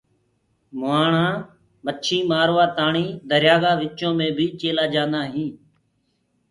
مُهآڻآ مڇي مآروآتآڻي دريآ ڪآ وچو مينٚ بي چيلآ جآندآ هينٚ۔